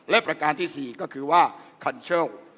และประการที่๔ก็คือว่าคันเชิล